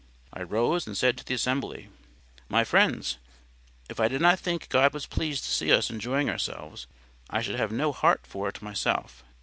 I rose and said to the assembly: "My friends, if I did not think God was pleased to see us enjoying ourselves, I should have no heart for it myself.